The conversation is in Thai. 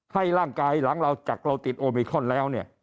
ให้ร่างกายหลังเราจากเราติดโอมิคอนแล้วเนี่ย